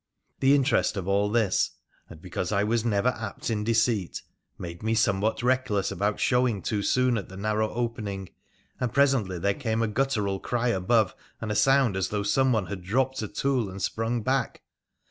The interest of all this, and because I was never apt in deceit, made me somewhat reckless about showing too soon at the narrow opening, and presently there came a guttural cry above, and a sound as though someone had dropped a tool and sprung back.